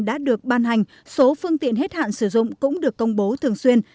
đã được ban hành số phương tiện hết hạn sử dụng cũng được công bố thường xuyên